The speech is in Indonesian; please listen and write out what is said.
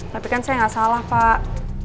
tapi kan saya nggak salah pak